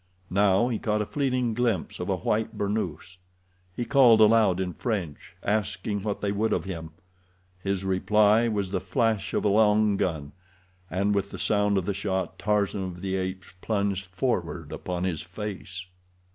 Now he caught a fleeting glimpse of a white burnoose. He called aloud in French, asking what they would of him. His reply was the flash of a long gun, and with the sound of the shot Tarzan of the Apes plunged forward upon his face.